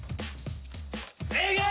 正解！